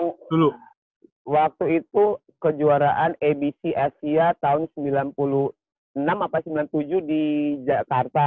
kalau waktu itu kejuaraan abc asia tahun sembilan puluh enam apa sembilan puluh tujuh di jakarta